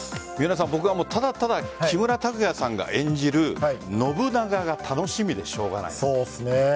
僕はただただ木村拓哉さんが演じる信長が楽しみでしょうがない。